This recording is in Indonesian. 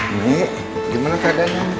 ini gimana keadaannya